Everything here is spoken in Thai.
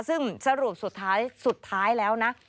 ซึ่งสรุปสุดท้ายแล้วนะ